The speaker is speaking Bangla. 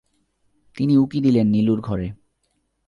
তিনি উঁকি দিলেন নীলুর ঘরে।